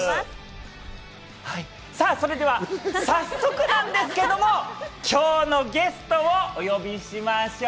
それでは早速なんですけれども、今日のゲストをお呼びしましょう。